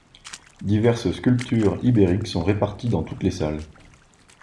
Diverses sculptures ibériques sont réparties dans toutes les salles.